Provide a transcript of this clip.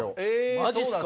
マジっすか？